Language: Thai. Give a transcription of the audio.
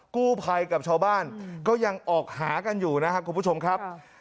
กู้ภัยกับชาวบ้านก็ยังออกหากันอยู่นะครับคุณผู้ชมครับ